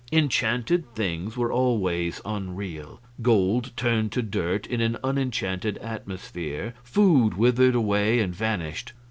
Enchanted things were always unreal. Gold turned to dirt in an unenchanted atmosphere, food withered away and vanished.